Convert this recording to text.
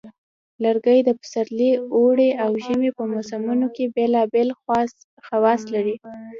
لرګي د پسرلي، اوړي، او ژمي په موسمونو کې بیلابیل خواص لري.